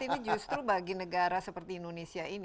ini justru bagi negara seperti indonesia ini